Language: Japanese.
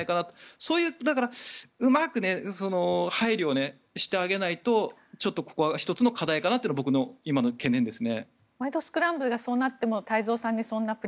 そういううまく配慮をしてあげないとちょっとここは１つの課題かなというのは懸念ですね。